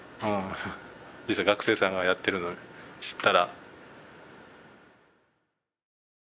実際学生さんがやってるのを知ったら。